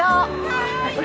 はい！